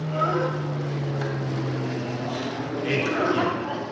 零下２度。